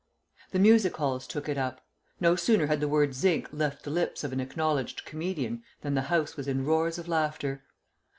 The music halls took it up. No sooner had the word "Zinc" left the lips of an acknowledged comedian than the house was in roars of laughter.